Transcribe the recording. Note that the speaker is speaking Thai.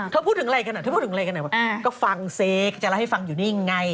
เธอพูดถึงอะไรกันอะก็ฟังซิกจะให้ฟังอยู่นี่ไง